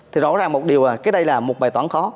thì rõ ràng một điều cái đây là một bài toán khó